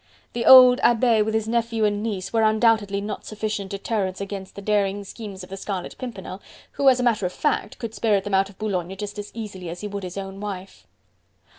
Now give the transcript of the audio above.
The old abbe with his nephew and niece were undoubtedly not sufficient deterrents against the daring schemes of the Scarlet Pimpernel, who, as a matter of fact, could spirit them out of Boulogne just as easily as he would his own wife.